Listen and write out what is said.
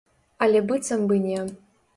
Але быццам бы не.